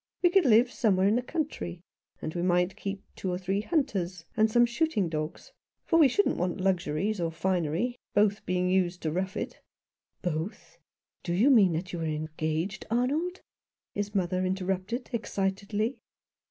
we could live some where in the country — and we might keep two or three hunters, and some shooting dogs ; for we shouldn't want luxuries or finery, both being used to rough it" " Both ' Do you mean that you are engaged, Arnold ?" his mother interrupted excitedly.